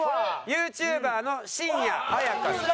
ＹｏｕＴｕｂｅｒの新谷あやかさん。